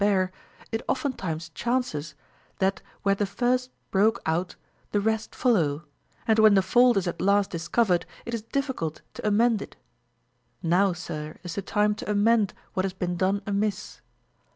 147 bear, it oftentimes cjutnces, that where the first broke eut the rest follow, and when the fault is at last 4ifl covered, it is difficult to amend it Now sir is the time to amend what has been done amiss.